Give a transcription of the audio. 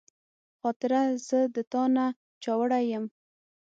خاطره زه د تا نه چاوړی یم